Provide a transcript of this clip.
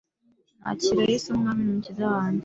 nakira Yesu nk’umwami n’umukiza wanjye.